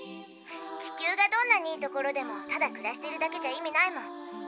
地球がどんなにいい所でもただ暮らしてるだけじゃ意味ないもん。